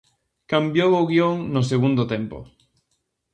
Cambiou o guión no segundo tempo.